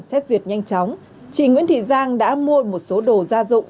xét duyệt nhanh chóng chị nguyễn thị giang đã mua một số đồ gia dụng